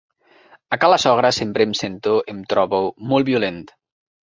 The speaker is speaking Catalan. A ca la sogra sempre em sento, em trobo, molt violent.